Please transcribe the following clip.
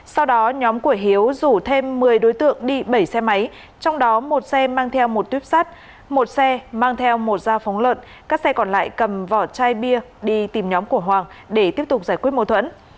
sau đó nhóm của hiếu rủ thêm một mươi đối tượng đi bảy xe máy trong đó một xe mang theo một tuyếp sắt một xe mang theo một dao phóng lợn các xe còn lại cầm vỏ chai bia đi tìm nhóm của hoàng để tiếp tục giải quyết mâu thuẫn